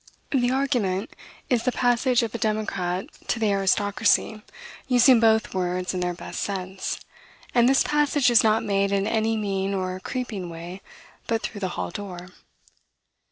The argument is the passage of a democrat to the aristocracy, using both words in their best sense. And this passage is not made in any mean or creeping way, but through the hall door.